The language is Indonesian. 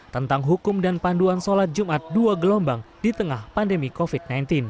tentang hukum dan panduan sholat jumat dua gelombang di tengah pandemi covid sembilan belas